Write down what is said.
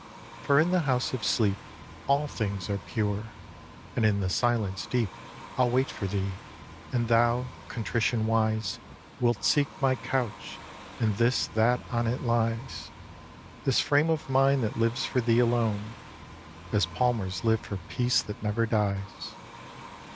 For in the House of Sleep All things are pure; and in the silence deep I'll wait for thee, and thou, contrition wise, Wilt seek my couch and this that on it lies, This frame of mine that lives for thee alone As palmers live for peace that never dies.